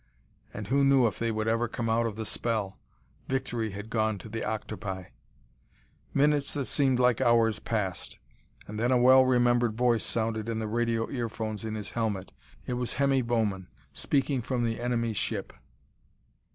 And who knew if they would ever come out of the spell! Victory had gone to the octopi.... Minutes that seemed like hours passed. And then a well remembered voice sounded in the radio earphones in his helmet. It was Hemmy Bowman, speaking from the enemy ship.